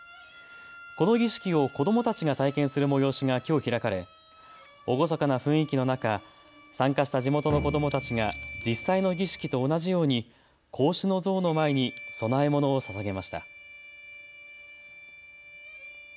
この儀式を子どもたちが体験する催しが、きょう開かれ厳かな雰囲気の中、参加した地元の子どもたちが実際の儀式と同じように孔子の像の前に供え物をささげました。